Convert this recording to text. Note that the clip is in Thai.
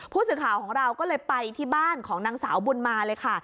ผู้สื่อข่าวของเราก็เลยไปที่บ้านของนางสาวบุญมาเลยค่ะ